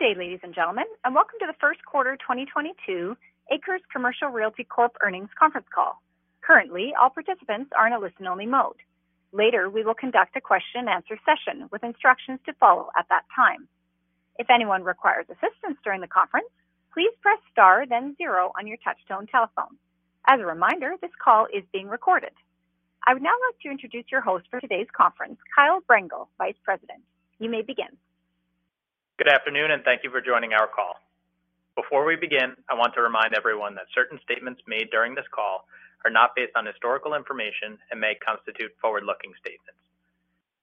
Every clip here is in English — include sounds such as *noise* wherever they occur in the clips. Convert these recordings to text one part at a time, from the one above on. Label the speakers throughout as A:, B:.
A: Good day, ladies and gentlemen, and welcome to the first quarter 2022 ACRES Commercial Realty Corp. earnings conference call. Currently, all participants are in a listen-only mode. Later, we will conduct a question and answer session with instructions to follow at that time. If anyone requires assistance during the conference, please press star then zero on your touchtone telephone. As a reminder, this call is being recorded. I would now like to introduce your host for today's conference, Kyle Brengel, Vice President. You may begin.
B: Good afternoon, and thank you for joining our call. Before we begin, I want to remind everyone that certain statements made during this call are not based on historical information and may constitute forward-looking statements.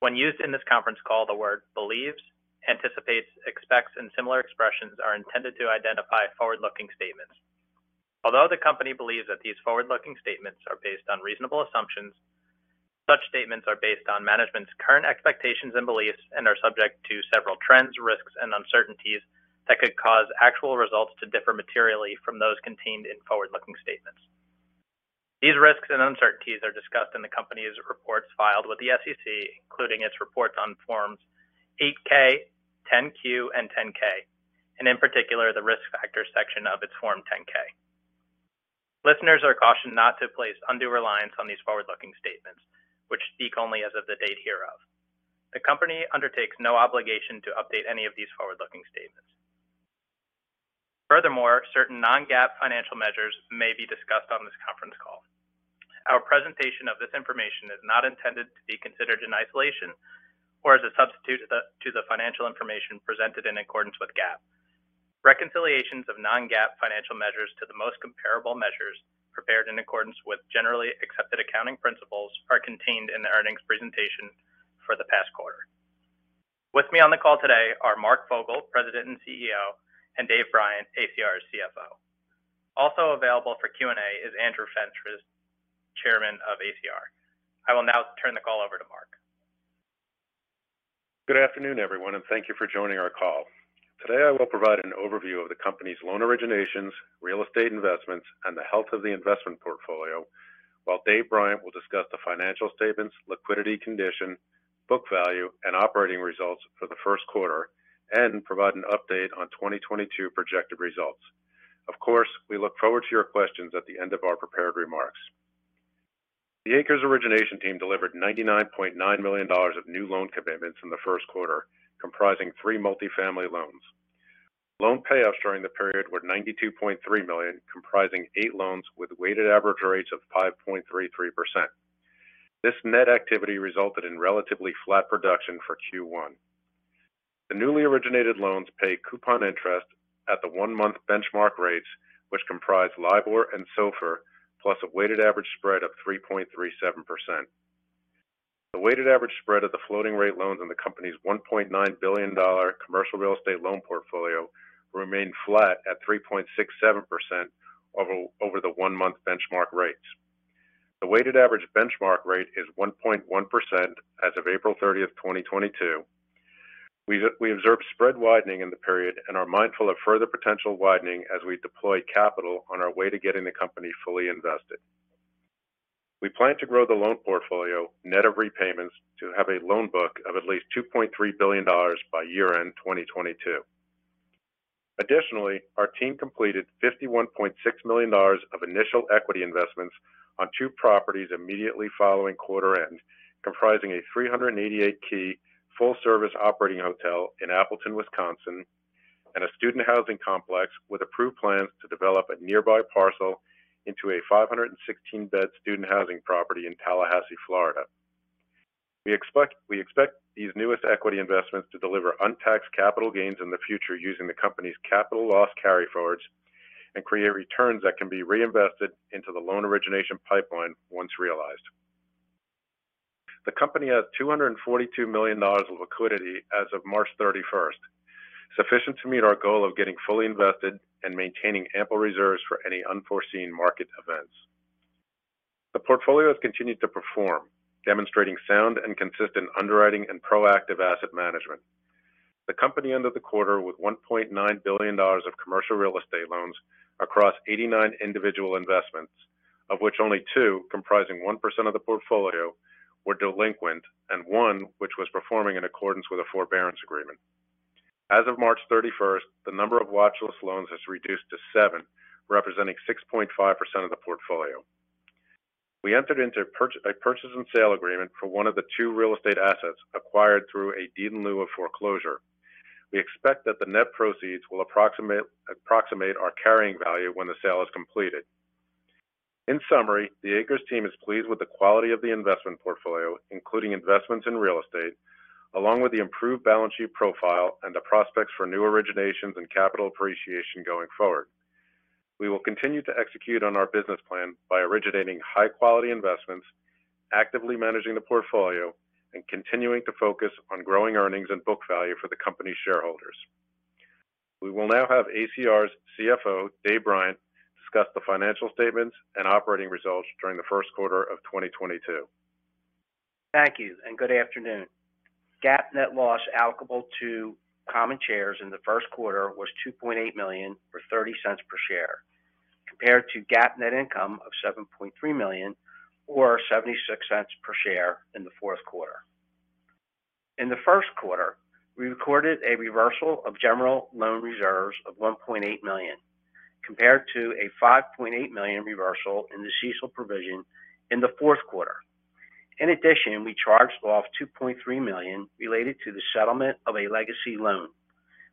B: When used in this conference call, the word believes, anticipates, expects, and similar expressions are intended to identify forward-looking statements. Although the company believes that these forward-looking statements are based on reasonable assumptions, such statements are based on management's current expectations and beliefs and are subject to several trends, risks, and uncertainties that could cause actual results to differ materially from those contained in forward-looking statements. These risks and uncertainties are discussed in the company's reports filed with the SEC, including its reports on Form 8-K, Form 10-Q, and Form 10-K, and in particular, the risk factors section of its Form 10-K. Listeners are cautioned not to place undue reliance on these forward-looking statements, which speak only as of the date hereof. The company undertakes no obligation to update any of these forward-looking statements. Furthermore, certain non-GAAP financial measures may be discussed on this conference call. Our presentation of this information is not intended to be considered in isolation or as a substitute to the financial information presented in accordance with GAAP. Reconciliations of non-GAAP financial measures to the most comparable measures prepared in accordance with generally accepted accounting principles are contained in the earnings presentation for the past quarter. With me on the call today are Mark Fogel, President and CEO, and David Bryant, ACR's CFO. Also available for Q&A is Andrew Fentress, Chairman of ACR. I will now turn the call over to Mark.
C: Good afternoon, everyone, and thank you for joining our call. Today, I will provide an overview of the company's loan originations, real estate investments, and the health of the investment portfolio, while David Bryant will discuss the financial statements, liquidity condition, book value, and operating results for the first quarter and provide an update on 2022 projected results. Of course, we look forward to your questions at the end of our prepared remarks. The ACRES origination team delivered $99.9 million of new loan commitments in the first quarter, comprising three multifamily loans. Loan payoffs during the period were $92.3 million, comprising eight loans with weighted average rates of 5.33%. This net activity resulted in relatively flat production for Q1. The newly originated loans pay coupon interest at the one-month benchmark rates, which comprise LIBOR and SOFR, plus a weighted average spread of 3.37%. The weighted average spread of the floating rate loans on the company's $1.9 billion commercial real estate loan portfolio remained flat at 3.67% over the one-month benchmark rates. The weighted average benchmark rate is 1.1% as of April 30th, 2022. We observed spread widening in the period and are mindful of further potential widening as we deploy capital on our way to getting the company fully invested. We plan to grow the loan portfolio net of repayments to have a loan book of at least $2.3 billion by year-end 2022. Additionally, our team completed $51.6 million of initial equity investments on two properties immediately following quarter end, comprising a 388-key full-service operating hotel in Appleton, Wisconsin, and a student housing complex with approved plans to develop a nearby parcel into a 516-bed student housing property in Tallahassee, Florida. We expect these newest equity investments to deliver untaxed capital gains in the future using the company's capital loss carryforwards and create returns that can be reinvested into the loan origination pipeline once realized. The company has $242 million of liquidity as of March 31st, sufficient to meet our goal of getting fully invested and maintaining ample reserves for any unforeseen market events. The portfolio has continued to perform, demonstrating sound and consistent underwriting and proactive asset management. The company ended the quarter with $1.9 billion of commercial real estate loans across 89 individual investments, of which only two, comprising 1% of the portfolio, were delinquent, and one which was performing in accordance with a forbearance agreement. As of March 31st, the number of watchlist loans has reduced to seven, representing 6.5% of the portfolio. We entered into a purchase and sale agreement for one of the two real estate assets acquired through a deed in lieu of foreclosure. We expect that the net proceeds will approximate our carrying value when the sale is completed. In summary, the ACRES team is pleased with the quality of the investment portfolio, including investments in real estate, along with the improved balance sheet profile and the prospects for new originations and capital appreciation going forward. We will continue to execute on our business plan by originating high quality investments, actively managing the portfolio, and continuing to focus on growing earnings and book value for the company's shareholders. We will now have ACR's CFO, David Bryant, discuss the financial statements and operating results during the first quarter of 2022.
D: Thank you, and good afternoon. GAAP net loss allocable to common shares in the first quarter was $2.8 million or $0.30 per share. Compared to GAAP net income of $7.3 million or $0.76 per share in the fourth quarter. In the first quarter, we recorded a reversal of general loan reserves of $1.8 million compared to a $5.8 million reversal in the CECL provision in the fourth quarter. In addition, we charged off $2.3 million related to the settlement of a legacy loan,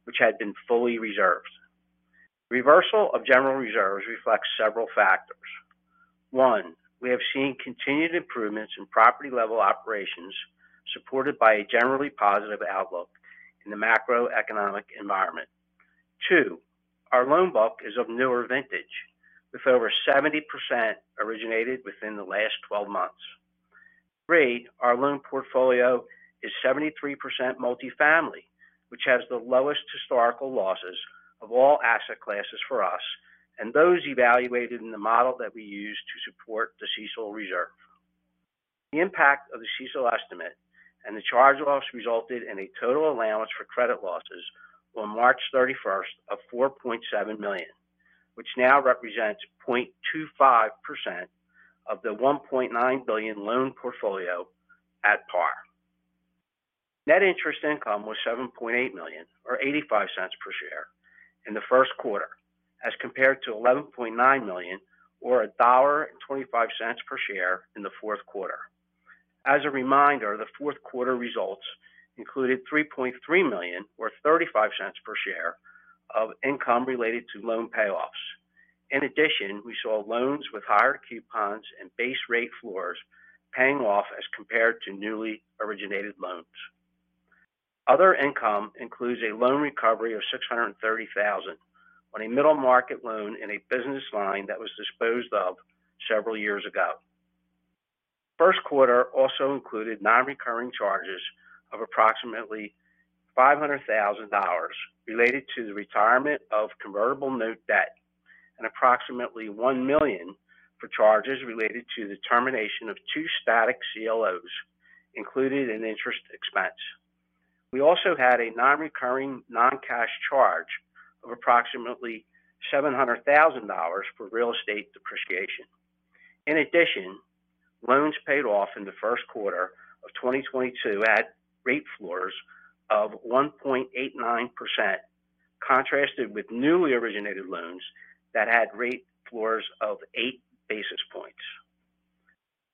D: which had been fully reserved. Reversal of general reserves reflects several factors. One, we have seen continued improvements in property level operations supported by a generally positive outlook in the macroeconomic environment. Two, our loan book is of newer vintage, with over 70% originated within the last 12 months. Third, our loan portfolio is 73% multifamily, which has the lowest historical losses of all asset classes for us and those evaluated in the model that we use to support the CECL reserve. The impact of the CECL estimate and the charge loss resulted in a total allowance for credit losses on March 31st of $4.7 million, which now represents 0.25% of the $1.9 billion loan portfolio at par. Net interest income was $7.8 million or $0.85 per share in the first quarter as compared to $11.9 million or $1.25 per share in the fourth quarter. As a reminder, the fourth quarter results included $3.3 million or $0.35 per share of income related to loan payoffs. In addition, we saw loans with higher coupons and base rate floors paying off as compared to newly originated loans. Other income includes a loan recovery of $630,000 on a middle market loan in a business line that was disposed of several years ago. First quarter also included non-recurring charges of approximately $500,000 related to the retirement of convertible note debt and approximately $1 million for charges related to the termination of two static CLOs included in interest expense. We also had a non-recurring non-cash charge of approximately $700,000 for real estate depreciation. In addition, loans paid off in the first quarter of 2022 at rate floors of 1.89% contrasted with newly originated loans that had rate floors of 8 basis points.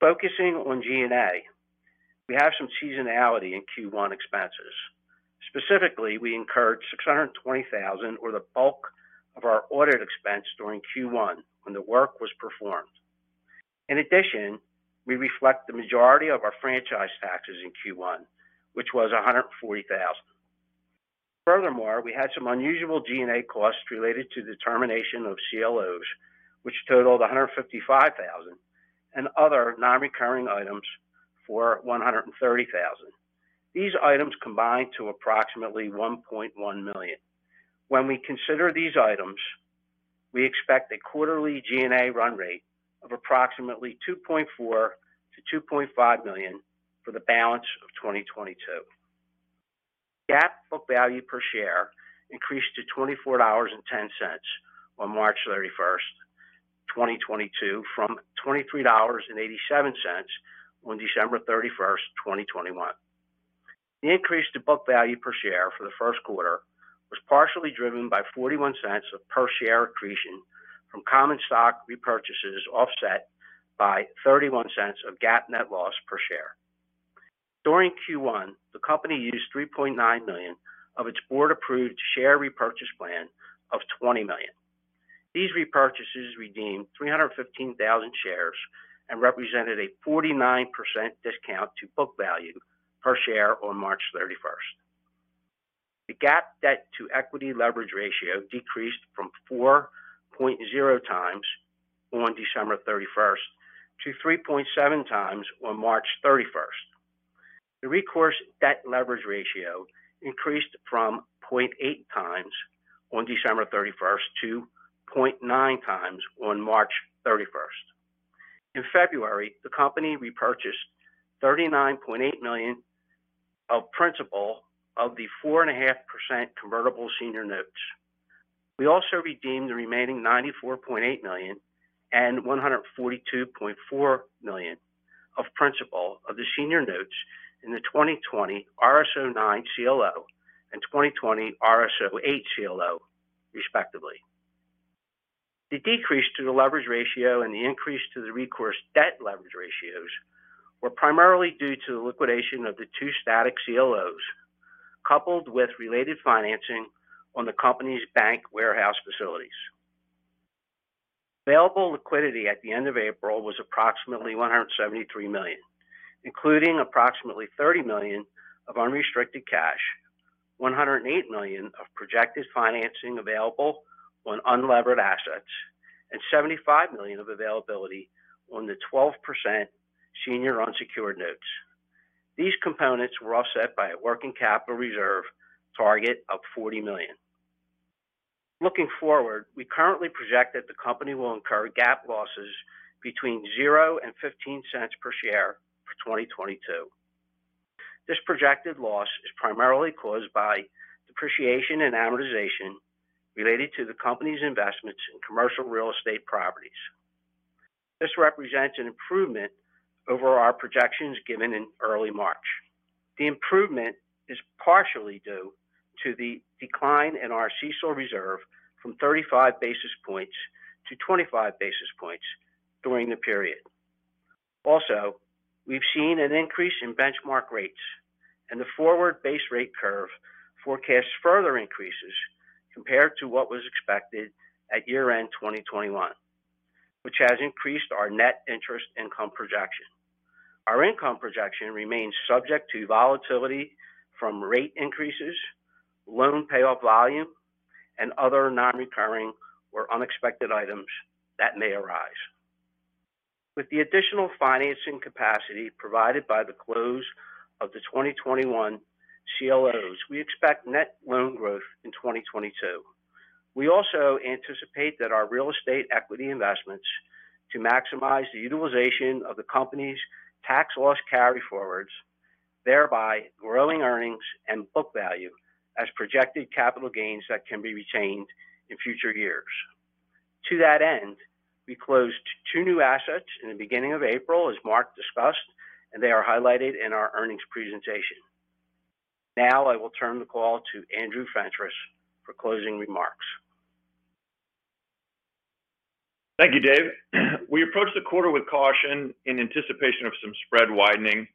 D: Focusing on G&A, we have some seasonality in Q1 expenses. Specifically, we incurred $620,000 or the bulk of our audit expense during Q1 when the work was performed. In addition, we reflect the majority of our franchise taxes in Q1, which was $140,000. Furthermore, we had some unusual G&A costs related to the termination of CLOs, which totaled $155,000 and other non-recurring items for $130,000. These items combined to approximately $1.1 million. When we consider these items, we expect a quarterly G&A run rate of approximately $2.4 million-$2.5 million for the balance of 2022. GAAP book value per share increased to $24.10 on March 31st, 2022 from $23.87 on December 31st, 2021. The increase to book value per share for the first quarter was partially driven by $0.41 of per share accretion from common stock repurchases offset by $0.31 of GAAP net loss per share. During Q1, the company used $3.9 million of its board-approved share repurchase plan of $20 million. These repurchases redeemed 315,000 shares and represented a 49% discount to book value per share on March 31st. The GAAP debt to equity leverage ratio decreased from 4.0x on December 31st to 3.7x on March 31st. The recourse debt leverage ratio increased from 0.8x on December 31st to 0.9x on March 31st. In February, the company repurchased $39.8 million of principal of the 4.5% convertible senior notes. We also redeemed the remaining $94.8 million and $142.4 million of principal of the senior notes in the 2020-RSO9 CLO and 2020-RSO8 CLO respectively. The decrease to the leverage ratio and the increase to the recourse debt leverage ratios were primarily due to the liquidation of the two static CLOs, coupled with related financing on the company's bank warehouse facilities. Available liquidity at the end of April was approximately $173 million, including approximately $30 million of unrestricted cash, $108 million of projected financing available on unlevered assets, and $75 million of availability on the 12% senior unsecured notes. These components were offset by a working capital reserve target of $40 million. Looking forward, we currently project that the company will incur GAAP losses between $0 and $0.15 per share for 2022. This projected loss is primarily caused by depreciation and amortization related to the company's investments in commercial real estate properties. This represents an improvement over our projections given in early March. The improvement is partially due to the decline in our CECL reserve from 35 basis points to 25 basis points during the period. Also, we've seen an increase in benchmark rates and the forward base rate curve forecasts further increases compared to what was expected at year-end 2021, which has increased our net interest income projection. Our income projection remains subject to volatility from rate increases, loan payoff volume, and other non-recurring or unexpected items that may arise. With the additional financing capacity provided by the close of the 2021 CLOs, we expect net loan growth in 2022. We also anticipate that our real estate equity investments to maximize the utilization of the company's tax loss carryforwards, thereby growing earnings and book value as projected capital gains that can be retained in future years. To that end, we closed two new assets in the beginning of April, as Mark discussed, and they are highlighted in our earnings presentation. Now I will turn the call to Andrew Fentress for closing remarks.
E: Thank you, Dave. We approached the quarter with caution in anticipation of some spread widening.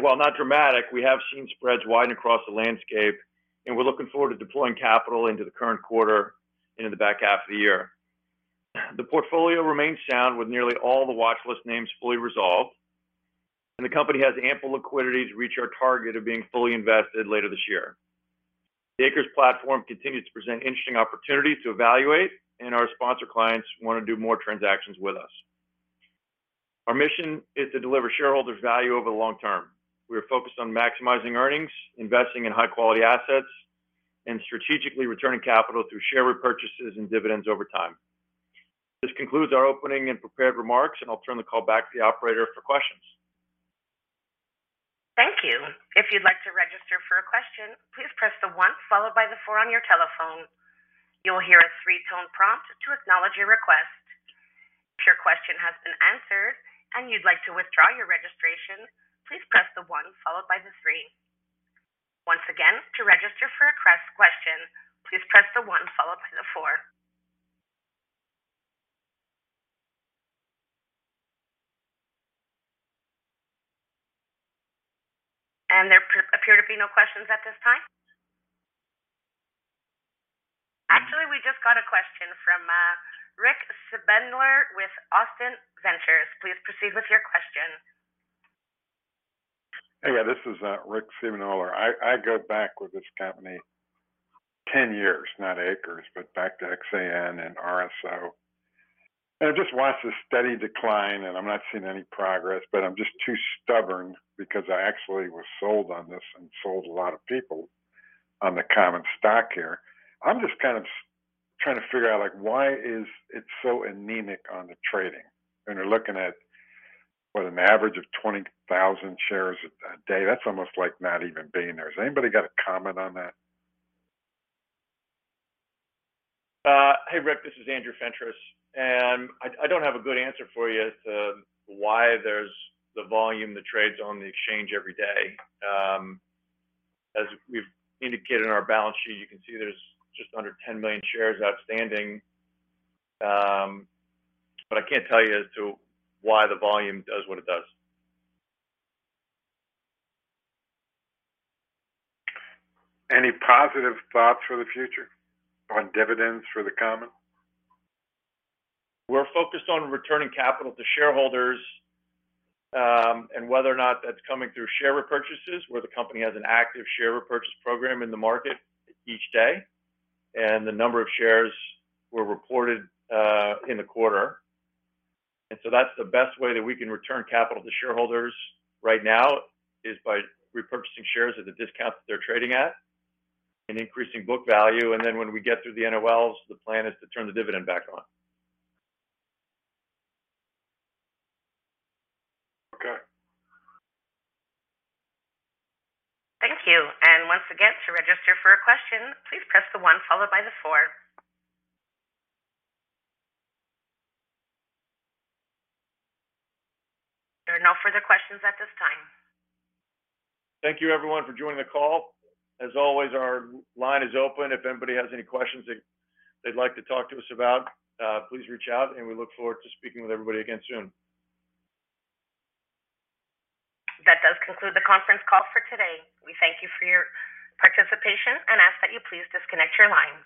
E: While not dramatic, we have seen spreads widen across the landscape, and we're looking forward to deploying capital into the current quarter and in the back half of the year. The portfolio remains sound with nearly all the watchlist names fully resolved, and the company has ample liquidity to reach our target of being fully invested later this year. The ACRES platform continues to present interesting opportunities to evaluate, and our sponsor clients wanna do more transactions with us. Our mission is to deliver shareholder value over the long term. We are focused on maximizing earnings, investing in high-quality assets, and strategically returning capital through share repurchases and dividends over time. This concludes our opening and prepared remarks, and I'll turn the call back to the operator for questions.
A: Thank you. If you'd like to register for a question, please press the one followed by the four on your telephone. You will hear a three-tone prompt to acknowledge your request. If your question has been answered and you'd like to withdraw your registration, please press the one followed by the three. Once again, to register for a crest question, please press the one followed by the four. There appear to be no questions at this time. Actually, we just got a question from Rick *audio distortion* with Austin Ventures. Please proceed with your question.
F: Hey, this is Rick. *audio distortion* I go back with this company 10 years, not ACRES, but back to XAN and RSO. I've just watched a steady decline, and I'm not seeing any progress, but I'm just too stubborn because I actually was sold on this and sold a lot of people on the common stock here. I'm just kind of trying to figure out, like why is it so anemic on the trading? You're looking at, what, an average of 20,000 shares a day. That's almost like not even being there. Has anybody got a comment on that?
E: Hey, Rick, this is Andrew Fentress. I don't have a good answer for you as to why there's the volume that trades on the exchange every day. As we've indicated in our balance sheet, you can see there's just under 10 million shares outstanding. I can't tell you as to why the volume does what it does.
F: Any positive thoughts for the future on dividends for the common?
E: We're focused on returning capital to shareholders, and whether or not that's coming through share repurchases, where the company has an active share repurchase program in the market each day, and the number of shares were reported in the quarter. That's the best way that we can return capital to shareholders right now is by repurchasing shares at a discount that they're trading at and increasing book value. Then when we get through the NOLs, the plan is to turn the dividend back on.
F: Okay.
A: Thank you. Once again, to register for a question, please press the one followed by the four. There are no further questions at this time.
E: Thank you everyone for joining the call. As always, our line is open. If anybody has any questions that they'd like to talk to us about, please reach out, and we look forward to speaking with everybody again soon.
A: That does conclude the conference call for today. We thank you for your participation and ask that you please disconnect your line.